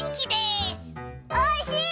おいしい！